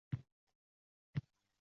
Shuni isbotlashga tayyor turadilar…